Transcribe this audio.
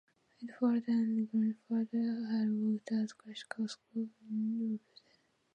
His father and grandfather had worked as classical scholars in Leipzig.